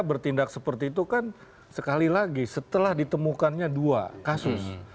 bertindak seperti itu kan sekali lagi setelah ditemukannya dua kasus